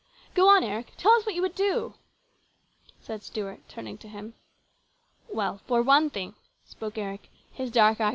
Go on, Eric, tell us what you would do," said Stuart, turning to him. " Well, for one thing," spoke Eric, his dark eye PLANS GOOD AND BAD.